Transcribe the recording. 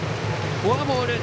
フォアボール。